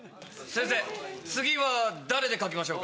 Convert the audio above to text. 先生次は誰で書きましょうか？